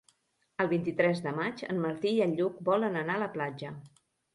El vint-i-tres de maig en Martí i en Lluc volen anar a la platja.